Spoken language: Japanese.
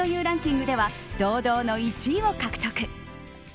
ランキングでは堂々の１位を獲得。